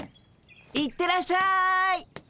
行ってらっしゃい。